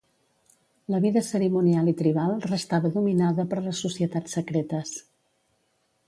La vida cerimonial i tribal restava dominada per les societats secretes.